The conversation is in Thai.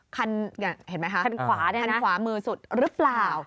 คันเห็นไหมคะคันขวามือสุดหรือเปล่า